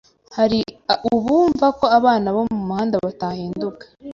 hari ubumva ko abana bo mu muhanda batahinduka